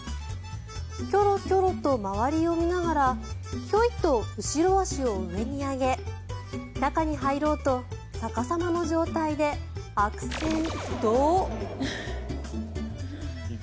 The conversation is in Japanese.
キョロキョロと周りを見ながらヒョイと後ろ足を上に上げ中に入ろうと逆さまの状態で悪戦苦闘。